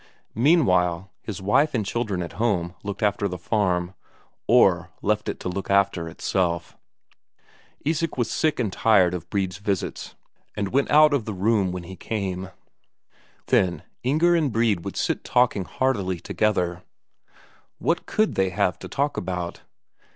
Meanwhile his wife and children at home looked after the farm, or left it to look after itself. Isak was sick and tired of Brede's visits, and went out of the room when he came; then Inger and Brede would sit talking heartily together. What could they have to talk about?